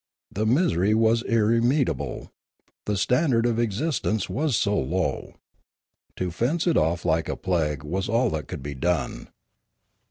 The misery was irremediable, the standard of existence was so low. To fence it off like a plague was all that could be done.